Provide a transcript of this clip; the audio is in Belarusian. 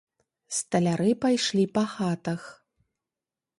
Сталяры пайшлі па хатах.